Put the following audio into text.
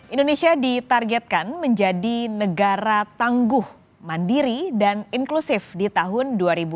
indonesia ditargetkan menjadi negara tangguh mandiri dan inklusif di tahun dua ribu dua puluh